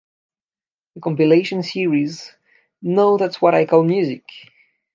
The compilation series Now That's What I Call Music!